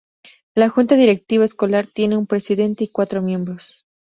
La junta directiva escolar tiene un presidente y cuatro miembros.